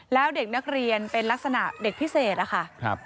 แล้วเด็กนักเรียนเป็นลักษณะเด็กพิเศษอะค่ะ